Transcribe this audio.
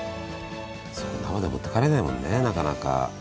そのままじゃ持って帰れないもんねなかなか。